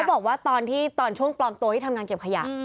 เขาบอกว่าตอนช่วงปลอมตัวที่ทำงานเก็บขยะ